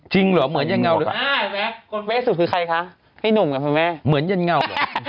จริงเหรอเหมือนแยนเงาคนเฟสสุดคือใครคะเนี่ยนุมเหมือนแยนเงา